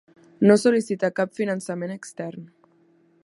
No sol·licita cap finançament extern.